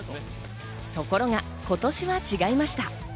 ところが今年は違いました。